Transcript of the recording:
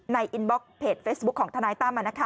อินบล็อกเพจเฟซบุ๊คของทนายตั้ม